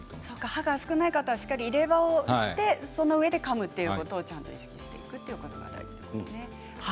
歯が少ない方はしっかり入れ歯を入れてそのうえでかむということを意識するということですね。